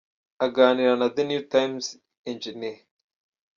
Aganira na The New Times, Eng.